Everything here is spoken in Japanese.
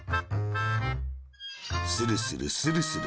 スルスル、スルスル。